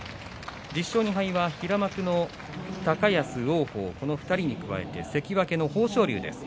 １０勝２敗が平幕の高安、王鵬、この２人に加えて関脇の豊昇龍です。